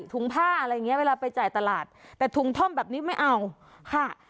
ถุงผ้าอะไรอย่างเงี้เวลาไปจ่ายตลาดแต่ถุงท่อมแบบนี้ไม่เอาค่ะ